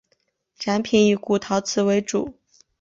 展品以古陶瓷为主。